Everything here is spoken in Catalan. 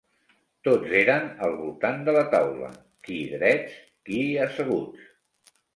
Tots eren al voltant de la taula, qui drets, qui asseguts.